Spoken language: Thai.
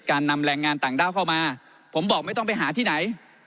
นำแรงงานต่างด้าวเข้ามาผมบอกไม่ต้องไปหาที่ไหน